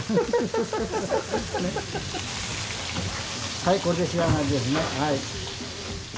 はいこれで仕上がりですね。